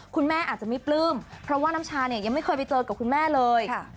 คุณแม่อาจจะไม่ปลื้มเพราะว่าน้ำชาเนี่ยยังไม่เคยไปเจอกับคุณแม่เลย